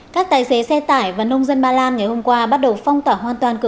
các tài xế xe tải và nông dân ba lan ngày hôm qua bắt đầu phong tỏa hoàn toàn cửa